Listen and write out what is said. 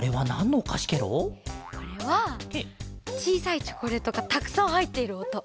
これはちいさいチョコレートがたくさんはいっているおと。